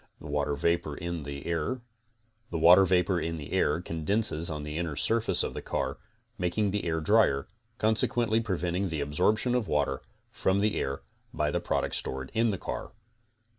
The water vapor in the CONSTRUCTIVE BEEKEEPING 29 air condenses on the inner surface of the car, making the air drier, consequently preventing the absorbtion of water from the air by the products stored in the car.